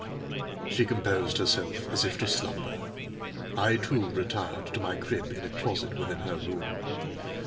She composed herself as if to slumber. I, too, retired to my crib in a closet within her room.